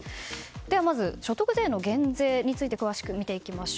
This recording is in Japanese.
ではまず、所得税の減税について詳しく見ていきます。